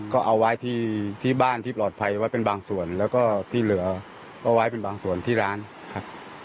ก็เอาไว้ที่บ้านที่ปลอดภัยไว้เป็นบางส่วนแล้วก็ที่เหลือก็ไว้เป็นบางส่วนที่ร้านครับ